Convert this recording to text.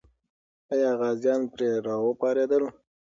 آیا غازیان پرې راوپارېدل؟